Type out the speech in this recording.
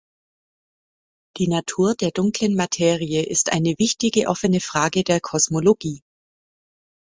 Die Natur der Dunklen Materie ist eine wichtige offene Frage der Kosmologie.